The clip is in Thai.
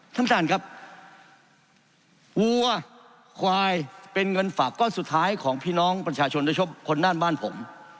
ธรรมฐานครับหัวควายเป็นเงินฝากก้อนสุดท้ายของพี่น้องประชาชนรชมคนหน้าบ้านผม